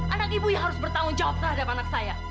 anak ibu yang harus bertanggung jawab terhadap anak saya